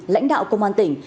lãnh đạo công an tỉnh